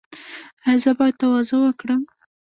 ایا زه باید تواضع وکړم؟